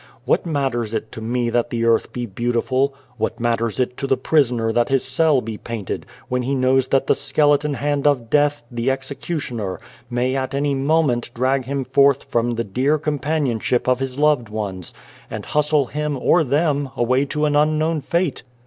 What matters it to me that the earth be beautiful ? What matters it to the prisoner that his cell be painted, when he knows that the skeleton hand of Death, the executioner, may at any moment drag him forth from the dear companionship of his loved ones, and hustle him or them away to an unknown fate